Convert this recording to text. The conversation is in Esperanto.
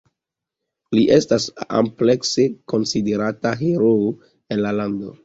Li estas amplekse konsiderata heroo en la lando.